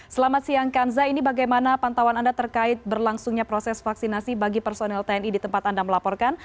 selamat siang kanza ini bagaimana pantauan anda terkait berlangsungnya proses vaksinasi bagi personel tni di tempat anda melaporkan